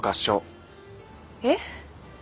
えっ？